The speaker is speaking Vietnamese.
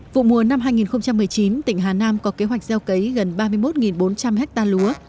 vụ mùa năm hai nghìn một mươi chín tỉnh hà nam có kế hoạch gieo cấy gần ba mươi một bốn trăm linh ha lúa